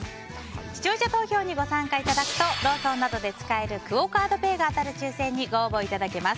視聴者投票にご参加いただくとローソンなどで使えるクオ・カードペイが当たる抽選にご応募いただけます。